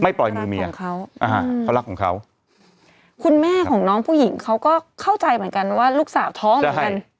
ปล่อยมือเมียของเขาอ่าฮะเขารักของเขาคุณแม่ของน้องผู้หญิงเขาก็เข้าใจเหมือนกันว่าลูกสาวท้องเหมือนกัน